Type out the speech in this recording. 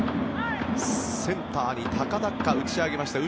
センターに高々打ち上げました。